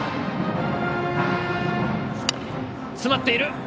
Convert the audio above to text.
詰まっている。